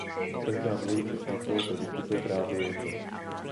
Každá dvojice čísel se vyskytuje právě jednou.